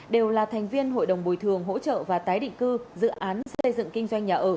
đều là thành viên hội đồng bồi thường hỗ trợ và tái định cư dự án xây dựng kinh doanh nhà ở